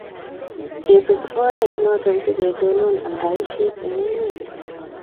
kesup oret notok si ketonon aldaishet eng' emet